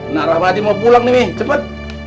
nah rahmati mau pulang nih cepet